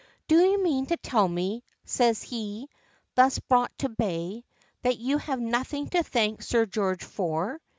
"Do you mean to tell me," says he, thus brought to bay, "that you have nothing to thank Sir George for?"